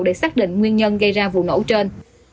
để xác định nguyên nhân gây ra vụ nổ trên